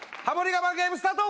我慢ゲームスタート！